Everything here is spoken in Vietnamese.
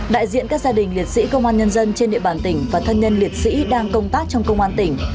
đại diện các gia đình liệt sĩ công an nhân dân trên địa bàn tỉnh và thân nhân liệt sĩ đang công tác trong công an tỉnh